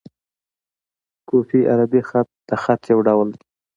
کوفي عربي خط؛ د خط یو ډول دﺉ.